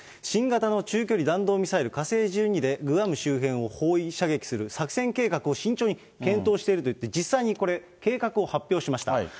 新型の中距離弾道ミサイル、火星１２でグアム周辺を包囲射撃する作戦計画を慎重に検討しているといって、実際にこれ、計画を発表しました。